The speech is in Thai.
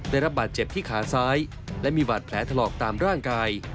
ได้รับบาดเจ็บที่ขาซ้ายและมีบาดแผลถลอกตามร่างกาย